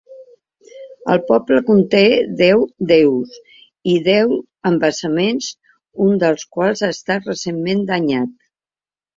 El poble conté deu deus i deu embassaments, un dels quals ha estat recentment danyat.